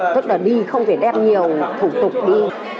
tức là đi không thể đem nhiều thủ tục đi